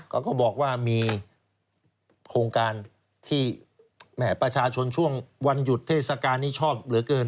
ก็บอกว่ามีโครงการที่ประชาชนช่วงวันหยุดเทศกาลนี้ชอบเหลือเกิน